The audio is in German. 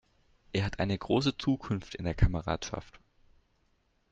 Er hat eine große Zukunft in der Kameradschaft!